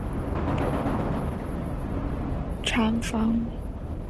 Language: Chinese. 禅房寺塔是位于山西省大同市南郊区塔儿山丈人峰峰顶的一座辽代砖塔。